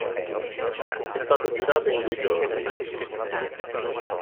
È stato girato in due giorni.